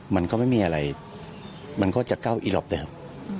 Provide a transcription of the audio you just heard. มันก็ไม่มีอะไรมันก็จะก้าวอีหลอบได้ครับ